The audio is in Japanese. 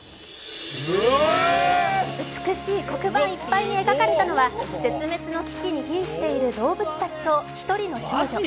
美しい黒板いっぱいに描かれたのは絶滅の危機にひんしている動物たちと１人の少女。